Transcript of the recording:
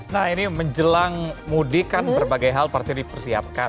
nah ini menjelang mudik kan berbagai hal pasti dipersiapkan